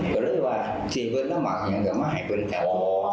ก็เลยว่าทีเว้นแล้วมาอย่างเดียวไม่ให้เป็นแก่พ่อ